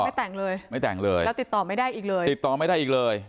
ไม่แต่งเลยไม่แต่งเลยแล้วติดต่อไม่ได้อีกเลยติดต่อไม่ได้อีกเลย